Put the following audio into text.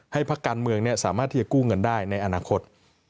พักการเมืองสามารถที่จะกู้เงินได้ในอนาคต